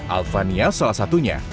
alphania salah satunya